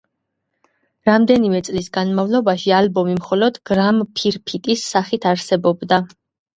რამდენიმე წლის განმავლობაში ალბომი მხოლოდ გრამფირფიტის სახით არსებობდა.